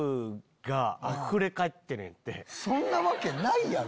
そんなわけないやろ！